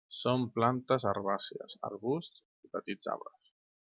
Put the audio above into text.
Són plantes herbàcies, arbusts i petits arbres.